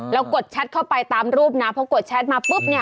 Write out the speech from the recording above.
แล้วกดแชทเข้าไปตามรูปนะพอกดแชทมาปุ๊บเนี่ย